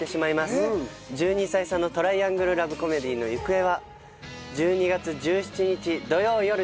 １２歳差のトライアングルラブコメディーの行方は１２月１７日土曜よる